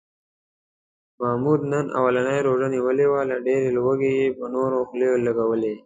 محمود نن اولنۍ روژه نیولې وه، له ډېرې لوږې یې په نورو خولې لږولې.